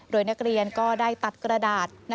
โดยนักเรียนก็ได้ตัดกระดาษ